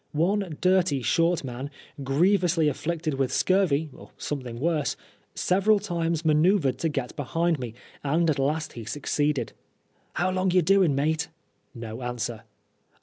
One dirty short man, grievously afflicted with scurvy, or something worse, several times manceuvred to get behind me, and at last he succeeded. "How long ye doin', mate?' No answer.